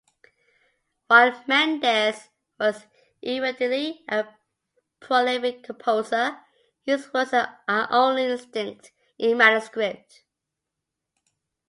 While Mendes was evidently a prolific composer, his works are only extant in manuscript.